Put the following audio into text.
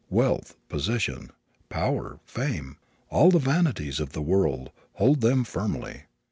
Wealth, position, power, fame, all the vanities of the world, hold them firmly.